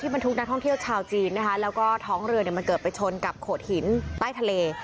บรรทุกนักท่องเที่ยวชาวจีนนะคะแล้วก็ท้องเรือเนี่ยมันเกิดไปชนกับโขดหินใต้ทะเล